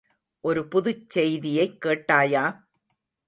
ஒரு புதுச் செய்தியைக் கேட்டாயா?